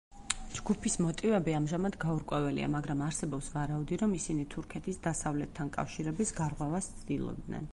ჯგუფის მოტივები ამჟამად გაურკვეველია, მაგრამ არსებობს ვარაუდი, რომ ისინი თურქეთის დასავლეთთან კავშირების გარღვევას ცდილობდნენ.